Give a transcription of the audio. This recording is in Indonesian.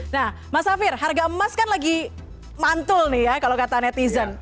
nah mas safir harga emas kan lagi mantul nih ya kalau kata netizen